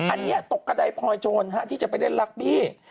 อันนี้ตกกระดายพลอยโจรที่จะไปเล่นลักบี้